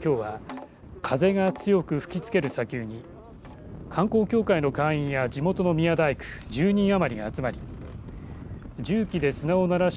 きょうは風が強く吹きつける砂丘に観光協会の会員や地元の宮大工１０人余りが集まり重機で砂をならした